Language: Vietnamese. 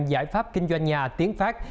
giải pháp kinh doanh nhà tiến pháp